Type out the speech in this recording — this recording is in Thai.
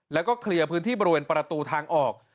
แล้วก็เคลียร์พื้นที่บริเวณประตูทางออก